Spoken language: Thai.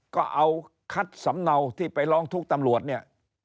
ก็เอาคัดสำเนาที่ไปร้องทุกข์ตำรวจเนี่ย